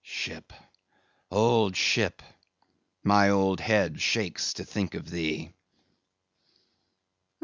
Ship, old ship! my old head shakes to think of thee."